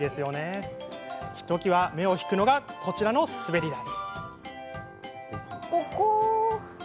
ひときわ目を引くのがこちらの滑り台。